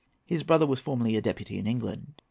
His brother was formerly a deputy in England.